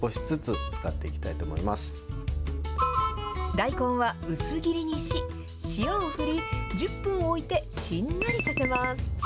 大根は薄切りにし、塩を振り、１０分置いて、しんなりさせます。